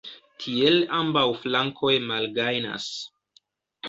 Tiel ambaŭ flankoj malgajnas.